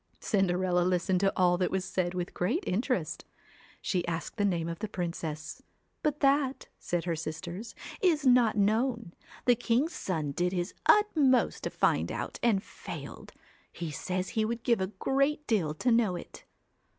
Cinderella listened to all that was said with great interest ; she asked the name of the princess. But that said her sisters 'is not known; the king's son did his utmost to find it out and failed. He says he would give a great deal to know it.'